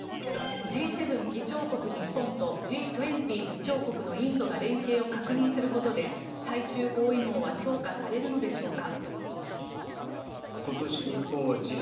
Ｇ７議長国、日本とＧ２０議長国のインドが連携を確認することで対中包囲網は強化されるのでしょうか。